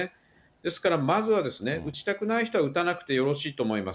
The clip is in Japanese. ですからまずはですね、打ちたくない人は打たなくてよろしいと思います。